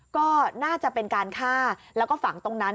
ก็น่าจะเป็นการฆ่าแล้วก็ฝังตรงนั้น